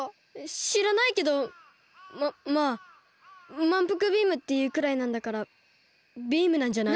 しらないけどままあ「まんぷくビーム」っていうくらいなんだからビームなんじゃない？